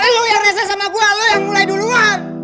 lu yang rasa sama gue lu yang mulai duluan